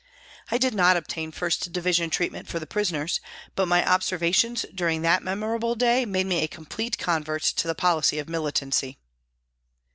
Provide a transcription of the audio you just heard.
I did not obtain 1st Division treatment for the prisoners, but my observations during that memor able day made me a complete convert to the policy of militancy.